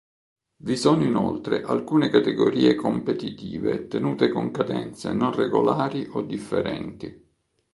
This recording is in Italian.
Vi sono inoltre alcune categorie competitive tenute con cadenze non regolari o differenti.